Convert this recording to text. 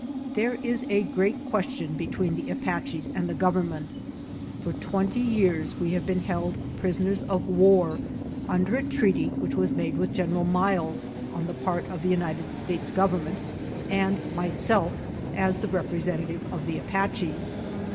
There is a great question between the Apaches and the Government. For twenty years we have been held prisoners of war under a treaty which was made with General Miles, on the part of the United States Gov ernment, and myself as the representative of the Apaches.